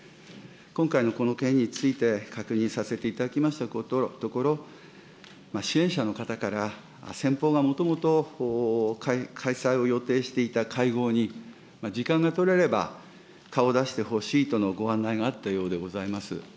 今回のこの件について確認させていただきましたところ、支援者の方から、先方がもともと開催を予定していた会合に、時間が取れれば顔出してほしいとのご案内があったようでございます。